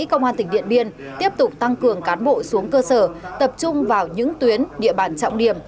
công an tỉnh điện biên tiếp tục tăng cường cán bộ xuống cơ sở tập trung vào những tuyến địa bàn trọng điểm